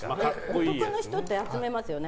男の人って集めますよね。